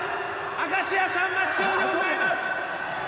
明石家さんま師匠でございます。